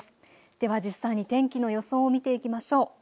では実際に天気の予想を見ていきましょう。